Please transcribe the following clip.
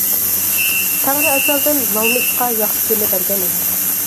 تەڭرى ئەزەلدىن لالما ئىتقا ياخشى كۈننى بەرگەن ئەمەس.